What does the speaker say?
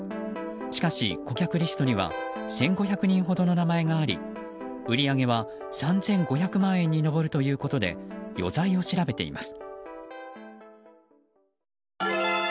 しかし、顧客リストには１５００人ほどの名前があり売り上げは３５００万円に上るということで余罪を調べています。